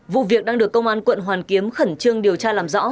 vụ việc đang được công an quận hoàn kiếm khẩn trương điều tra làm rõ